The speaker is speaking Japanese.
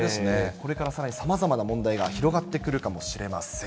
これからさらにさまざまな問題が広がってくるかもしれません。